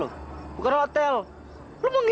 ya aku setuju merandi